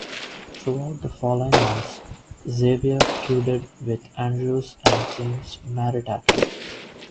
Throughout the following months, Xavier feuded with Andrews and James Maritato.